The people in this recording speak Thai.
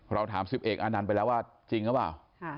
เราถาม๑๑อานันต์ไปแล้วว่าจริงหรือเปล่า